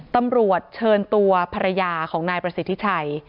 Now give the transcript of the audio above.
ตำรวจเชิญตัวภรรยาของนายประสิทธิชัย